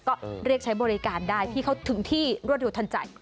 ก็เรียกใช้บริการได้พี่เขาถึงที่รวดเร็วทันใจ